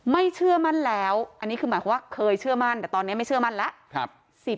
เชื่อมั่นแล้วอันนี้คือหมายความว่าเคยเชื่อมั่นแต่ตอนนี้ไม่เชื่อมั่นแล้ว